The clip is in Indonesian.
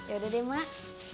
yaudah deh mak